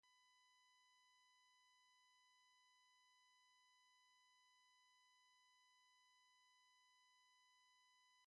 "Wild lettuce" commonly refers to the wild-growing relatives of common garden lettuce.